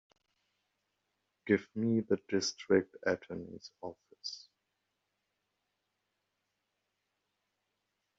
Give me the District Attorney's office.